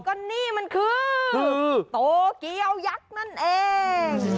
ก็นี่มันคือโตเกียวยักษ์นั่นเอง